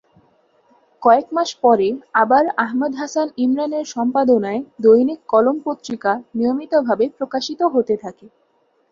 কয়েকমাস পরে আবার আহমদ হাসান ইমরান এর সম্পাদনায় দৈনিক কলম পত্রিকা নিয়মিত ভাবে প্রকাশ হতে থাকে।